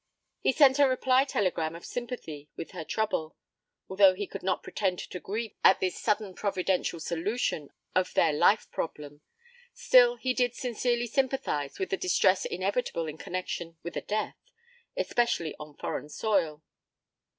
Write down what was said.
He sent a reply telegram of sympathy with her trouble. Although he could not pretend to grieve at this sudden providential solution of their life problem, still he did sincerely sympathize with the distress inevitable in connection with a death, especially on foreign soil.